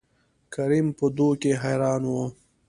کريم په دو کې حيران وو.